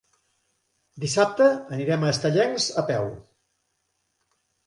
Dissabte anirem a Estellencs a peu.